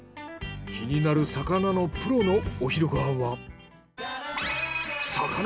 気になる魚のプロのお昼ご飯は？